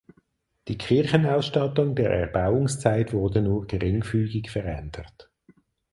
Die Kirchenausstattung der Erbauungszeit wurde nur geringfügig verändert.